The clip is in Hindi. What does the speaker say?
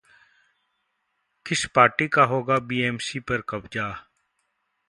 किस पार्टी का होगा 'बीएमसी' पर कब्जा?